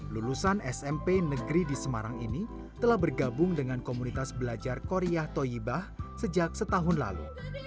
lulusan smp negeri di semarang ini telah bergabung dengan komunitas belajar korea toyibah sejak setahun lalu